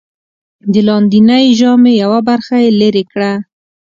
د لاندېنۍ ژامې یوه برخه یې لرې کړه.